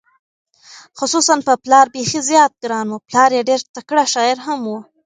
خصوصا په پلار بېخي زیات ګران و، پلار یې ډېر تکړه شاعر هم و،